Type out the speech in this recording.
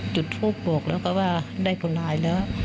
จุดฟูปผมอกก็ว่าได้คนร้ายแล้ว